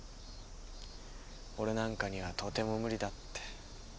俺なんかにはとても無理だって。